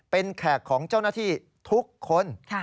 เป็นแขกของเจ้าหน้าที่ทุกคน